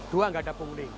dua gak ada pungli